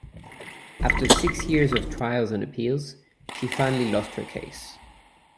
After six years of trials and appeals, she finally lost her case.